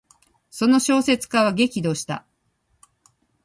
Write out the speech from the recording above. その小説家は激怒した。